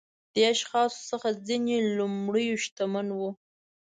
دې اشخاصو څخه ځینې لومړيو شتمن وو.